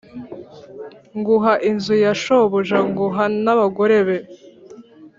nguha inzu ya shobuja nguha n abagore be